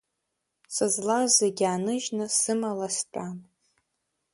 Сызлаз зегь ааныжьны, сымала стәан!